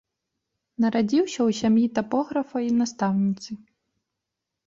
Нарадзіўся ў сям'і тапографа і настаўніцы.